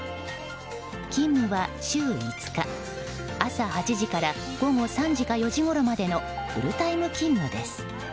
勤務は週５日、朝８時から午後３時か４時ごろまでのフルタイム勤務です。